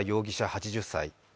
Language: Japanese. ８０歳。